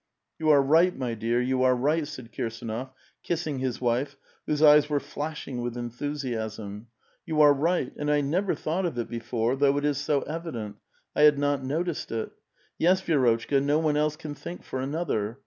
"You are right, my dear, you are right," said Kirsdnof, kissing his wife, whose eyes were flashing with enthusiasm. '' You are right ; and I never thought of it before, though it is so evident ; I had not noticed it. Yes, Vi^rotchka, no one else can think for another.